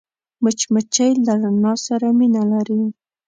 مچمچۍ له رڼا سره مینه لري